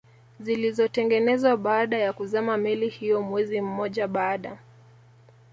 zilizotengenezwa baada ya kuzama meli hiyo mwezi mmoja baada